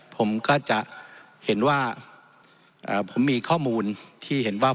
ผมก็จะเห็นว่าผมมีข้อมูลที่เห็นว่า